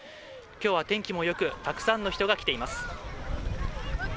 今日は天気もよくたくさんの人が来ています。